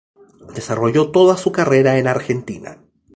Desarrolló toda su carrera en Argentina.